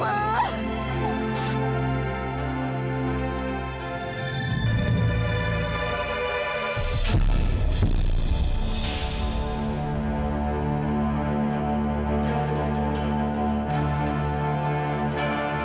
ya allah mama masih hidup